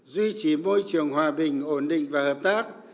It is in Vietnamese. duy trì môi trường hòa bình ổn định và hợp tác